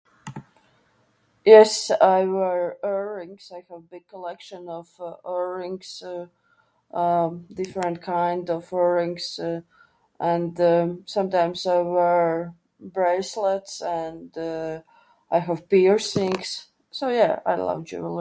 Yes, I wear earrings, I have big collection of, uh, earrings. Uh, um different kind of earrings. Uh, and um, sometimes I wear bracelets, and, uh, I have piercings. So yeah, I love jewelry.